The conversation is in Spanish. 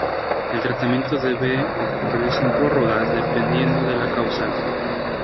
El tratamiento debe ocurrir sin prórroga, dependiendo de la causa.